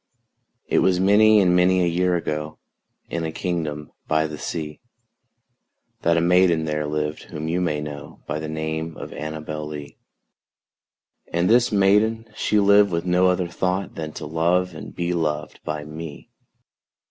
It was many and many a year ago, In a kingdom by the sea, That a maiden there lived whom you may know By the name of ANNABEL LEE; And this maiden she lived with no other thought Than to love and be loved by me.